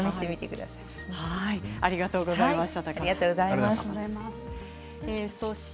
高尾さんありがとうございました。